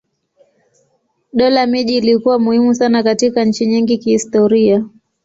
Dola miji ilikuwa muhimu sana katika nchi nyingi kihistoria.